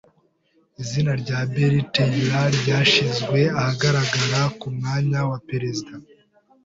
Izina rya Barry Taylor ryashyizwe ahagaragara ku mwanya wa perezida.